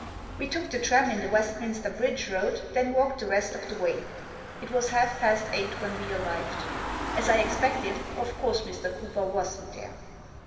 We took the tram in the Westminster Bridge Road, then walked the rest of the way. It was half past eight when we arrived. As I expected, of course Mr. Cooper wasn't there.